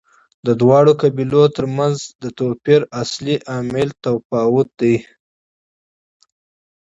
د دواړو قبیلو ترمنځ د توپیر اصلي عامل تفاوت دی.